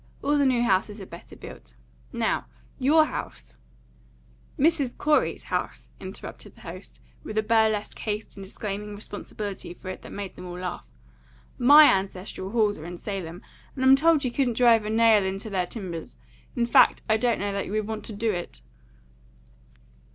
All the new houses are better built. Now, your house " "Mrs. Corey's house," interrupted the host, with a burlesque haste in disclaiming responsibility for it that made them all laugh. "My ancestral halls are in Salem, and I'm told you couldn't drive a nail into their timbers; in fact, I don't know that you would want to do it."